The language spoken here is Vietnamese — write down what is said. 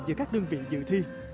giữa các đơn vị dự thi